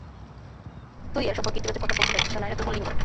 তুই এর সম্পর্কে ইতিবাচক কথা বলতে পারিস, কিন্তু নারীরা দুর্বল লিঙ্গ!